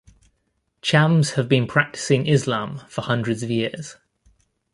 Chams have been practicing Islam for hundreds of years.